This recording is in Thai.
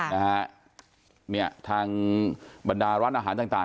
นะฮะเนี่ยทางบรรดารัฐอาหารต่าง